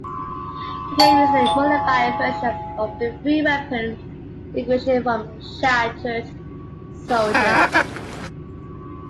The game uses a modified version of the three-weapon configuration from "Shattered Soldier".